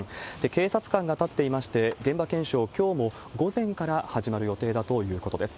警察官が立っていまして、現場検証、きょうも午前から始まる予定だということです。